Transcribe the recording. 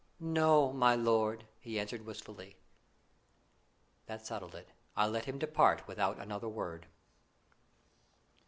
"No, my lord," he answered wistfully. That settled it. I let him depart without another word.